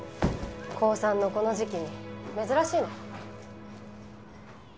高３のこの時期に珍しいね。